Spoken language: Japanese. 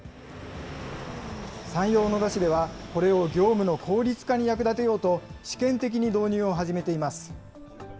山陽小野田市では、これを業務の効率化に役立てようと、試験的に導入を始めています。